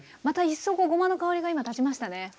また一層ごまの香りが今立ちましたね